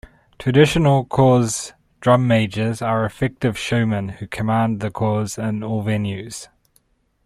Traditional corps drum majors are effective showmen who command the corps in all venues.